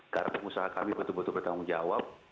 karena pengusaha kami betul betul bertanggung jawab